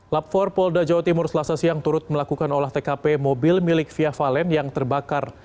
lapfor polda jawa timur selasa siang turut melakukan olah tkp mobil milik via valen yang terbakar